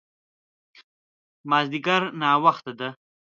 مازديګر ناوخته ده